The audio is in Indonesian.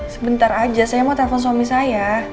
sebentar aja saya mau telepon suami saya